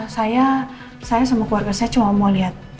saya saya sama keluarga saya cuma mau lihat